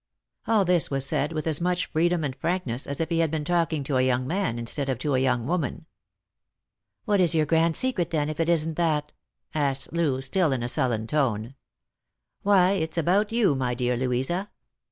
All this was said with as much freedom and frankness as if he had been talking to a young man instead of to a young woman. " What is your grand secret, then, if it isn't that P " asked Loo, still in a sullen tone. " Why, it's about you, my dear Louisa.